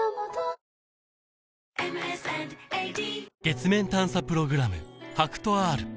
月面探査プログラム